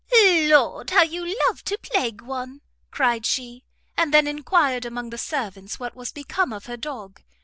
"Lord, how you love to plague one!" cried she and then enquired among the servants what was become of her dog.